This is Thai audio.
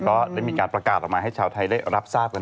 ก็ได้มีการประกาศออกมาให้ชาวไทยได้รับทราบกัน